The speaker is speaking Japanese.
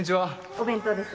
お弁当です。